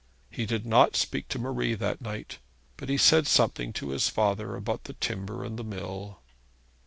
He did not speak to Marie that night, but he said something to his father about the timber and the mill.